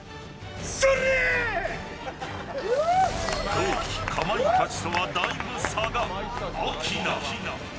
同期かまいたちとはだいぶ差が、アキナ。